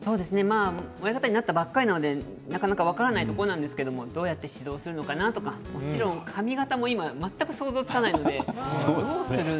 親方になったばかりなので分からないところなんですけどどうやって指導するのかなとか髪形も全く想像がつかないので。